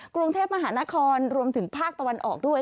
กรุงเทพมหานครรวมถึงภาคตะวันออกด้วย